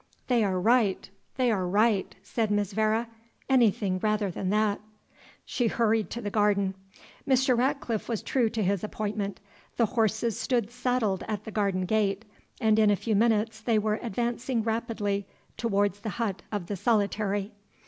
"They are right they are right," said Miss Vere, "anything rather than that!" She hurried to the garden. Mr. Ratcliffe was true to his appointment the horses stood saddled at the garden gate, and in a few minutes they were advancing rapidly towards the hut of the Solitary.